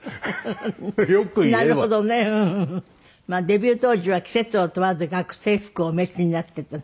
デビュー当時は季節を問わず学生服をお召しになってて。